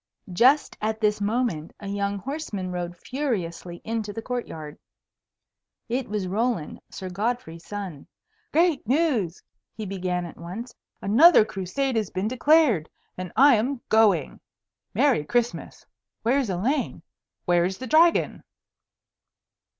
Just at this moment a young horseman rode furiously into the court yard. It was Roland, Sir Godfrey's son. "Great news!" he began at once. "Another Crusade has been declared and I am going. Merry Christmas! Where's Elaine? Where's the Dragon?"